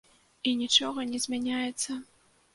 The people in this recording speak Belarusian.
І нічога не змяняецца!